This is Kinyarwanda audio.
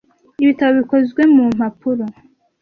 Ibitabo bikozwe mu mpapuro.